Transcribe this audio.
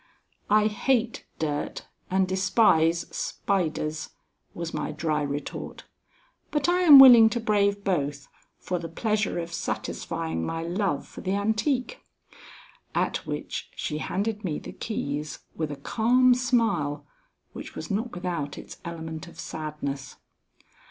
"I hate dirt and despise spiders," was my dry retort, "but I am willing to brave both for the pleasure of satisfying my love for the antique." At which she handed me the keys, with a calm smile which was not without its element of sadness.